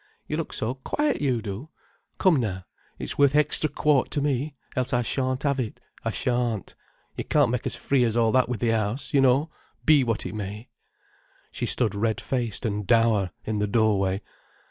You look so quiet, you do. Come now, it's worth a hextra quart to me, else I shan't have it, I shan't. You can't make as free as all that with the house, you know, be it what it may—" She stood red faced and dour in the doorway.